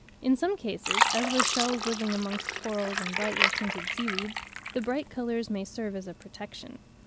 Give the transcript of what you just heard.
In some cases, as with shells living amongst corals or brightly tinted seaweeds, the bright colours may serve as a protection.